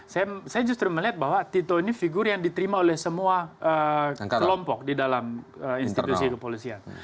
saya justru melihat bahwa tito ini figur yang diterima oleh semua kelompok di dalam institusi kepolisian